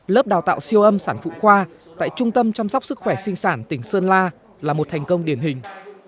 lớp đào tạo siêu âm sản phụ khoa tại trung tâm chăm sóc sức khỏe sinh sản tỉnh sơn la là một thành công điển hình